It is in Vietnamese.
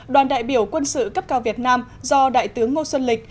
đoàn đại biểu quân sự cấp cao việt nam do đại tướng ngô xuân lịch